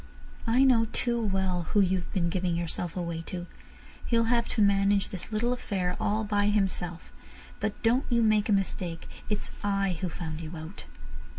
I know too well who you have been giving yourself away to. He'll have to manage this little affair all by himself. But don't you make a mistake, it's I who found you out."